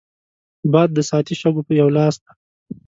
باد د ساعتي شګو یو لاس دی